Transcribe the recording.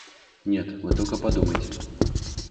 Нет, вы только подумайте!